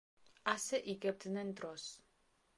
ასე იგებდნენ დროს.